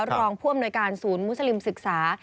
รองพ่วนบนโดยการศูนย์มุสลิมศึกษา